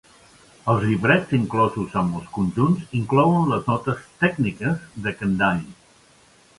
Els llibrets inclosos amb els conjunts inclouen les Notes tècniques de Kendall.